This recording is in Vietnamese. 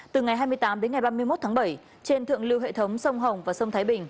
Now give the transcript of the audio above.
từ ngày hai mươi tám đến ngày ba mươi một tháng bảy trên thượng lưu hệ thống sông hồng và sông thái bình